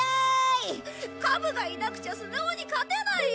カブがいなくちゃスネ夫に勝てないよ！